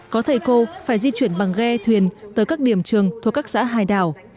có thầy cô phải di chuyển bằng ghe thuyền tới các điểm trường thuộc các xã hải đảo